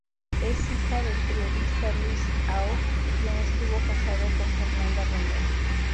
Es hija del periodista Luis Aub quien estuvo casado con Fernanda Romero.